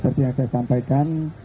seperti yang saya sampaikan